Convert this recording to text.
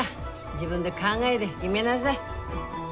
自分で考えで決めなさい。